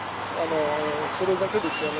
それだけですよね。